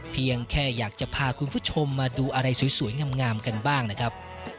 เพียงแค่อยากจะพาคุณผู้ชมมาดูอะไรสวยงามกันบ้างนะครับ